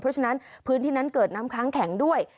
เพราะฉะนั้นพื้นที่นั้นเกิดน้ำค้างแข็งด้วย